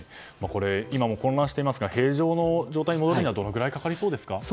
今も混乱していますが平常の状態に戻るにはどれぐらいかかりそうですか？